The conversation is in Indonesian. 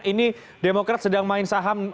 ini demokrat sedang main saham